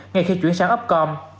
ngay khi chuyển sang upcom